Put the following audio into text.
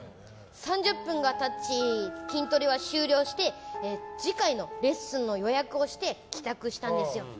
３０分が経ち、筋トレは終了して次回のレッスンの予約をして帰宅をしたんですよ。